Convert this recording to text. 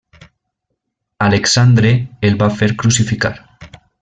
Alexandre el va fer crucificar.